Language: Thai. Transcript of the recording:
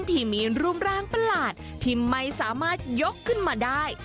ที่มีรูปร่างประหลาดที่ไม่สามารถยกขึ้นมาได้